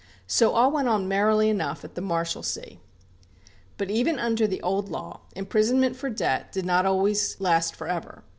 So all went on merrily enough at the Marshalsea. But even under the old law, imprisonment for debt did not always last for ever.